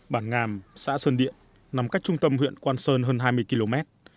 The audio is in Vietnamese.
bản ngàm xã sơn điện nằm cách trung tâm huyện quang sơn hơn hai mươi km